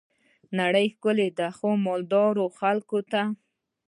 نړۍ ښکلي ده خو، مالدارو خلګو ته.